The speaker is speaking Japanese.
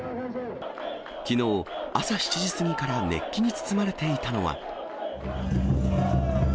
きのう、朝７時過ぎから熱気に包まれていたのは。